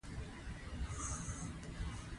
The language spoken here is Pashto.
افغانستان د غوښې په اړه علمي څېړنې لري.